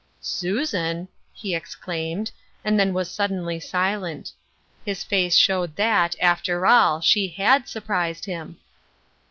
" Susan I " he exclaimed, and then was sud denly silent. His face showed that, after all, she had surprised liim.